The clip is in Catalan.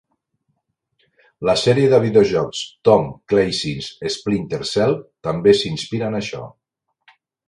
La sèrie de videojocs "Tom Clancy's Splinter Cell" també s'inspira en això.